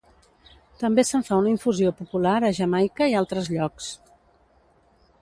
També se'n fa una infusió popular a Jamaica i altres llocs.